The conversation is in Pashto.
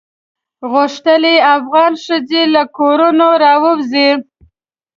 غوښتل یې افغان ښځې له کورونو راووزي.